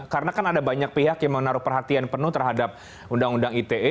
karena kan ada banyak pihak yang menaruh perhatian penuh terhadap undang undang ite